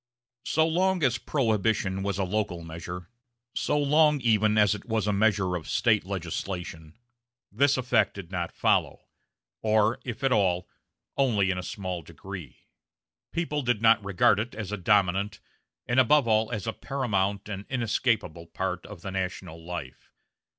So long as Prohibition was a local measure, so long even as it was a measure of State legislation, this effect did not follow; or, if at all, only in a small degree. People did not regard it as a dominant, and above all as a paramount and inescapable, part of the national life.